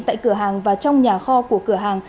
tại cửa hàng và trong nhà kho của cửa hàng